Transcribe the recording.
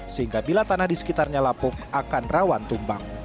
sehingga bila tanah di sekitarnya lapuk akan rawan tumbang